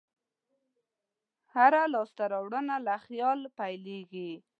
هره لاسته راوړنه له خیال پیلېږي.